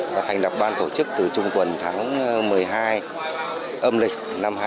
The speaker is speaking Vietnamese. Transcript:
và thành lập ban tổ chức từ chung tuần tháng một mươi hai âm lịch năm hai nghìn một mươi bảy